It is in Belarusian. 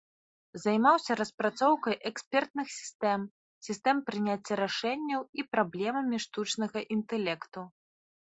Займаўся распрацоўкай экспертных сістэм, сістэм прыняцця рашэнняў і праблемамі штучнага інтэлекту.